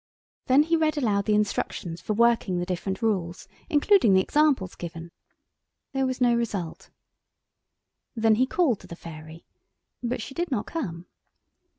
Then he read aloud the instructions for working the different rules, including the examples given. There was no result. Then he called to the Fairy—but she did not come.